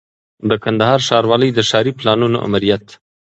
د کندهار ښاروالۍ د ښاري پلانونو آمریت